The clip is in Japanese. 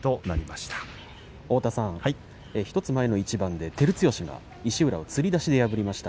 １つ前の一番で照強が石浦をつり出しで破りました。